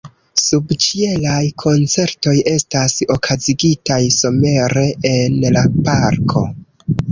Subĉielaj koncertoj estas okazigitaj somere en la parko.